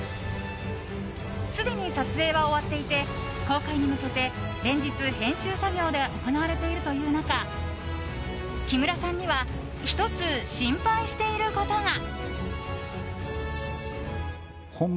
すでに撮影は終わっていて公開に向けて連日、編集作業が行われているという中木村さんには１つ心配していることが。